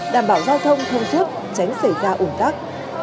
đảm bảo giao thông không rước tránh xảy ra ủng tắc